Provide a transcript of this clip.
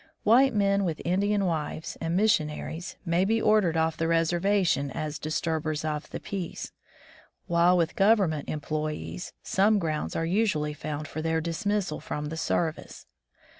White men with Indian wives, and missionaries, may be ordered off the reservation as "disturbers of the peace," while with Government employees, some grounds are usually found for their dismissal from the service.